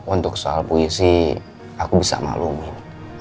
untuk soal puisi aku bisa maklumi